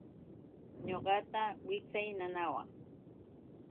Ñuqata wiksay nanawaq.